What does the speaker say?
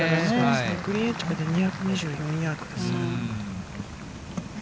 グリーンエッジまで２２４ヤードです。